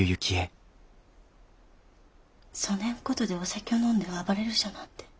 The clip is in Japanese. そねんことでお酒ょう飲んで暴れるじゃなんて。